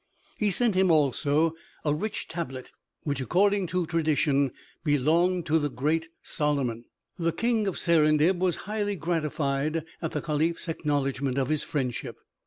He sent him also a rich tablet, which, according to tradition, belonged to the great Solomon. The King of Serendib was highly gratified at the caliph's acknowledgment of his friendship.